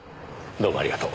どうもありがとう。